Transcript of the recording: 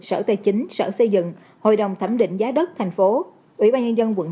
sở tài chính sở xây dựng hội đồng thẩm định giá đất tp hcm ủy ban nhân dân tp hcm